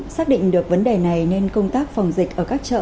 xác định được vấn đề này nên công tác phòng dịch ở các chợ